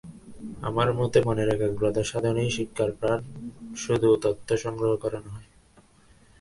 আমার মতে মনের একাগ্রতা-সাধনই শিক্ষার প্রাণ, শুধু তথ্য সংগ্রহ করা নহে।